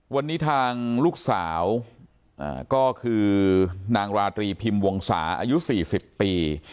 วันนี้ทางลูกสาวก็คือนางราตรีพิมพ์วงศาอายุ๔๐ปี